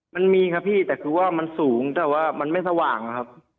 มันมีครับพี่แต่คือว่ามันสูงแต่ว่ามันไม่สว่างครับ